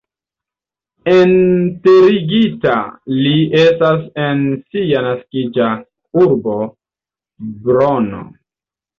Enterigita li estas en sia naskiĝa urbo Brno.